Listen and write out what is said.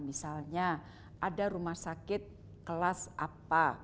misalnya ada rumah sakit kelas apa